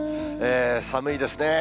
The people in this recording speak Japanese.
寒いですね。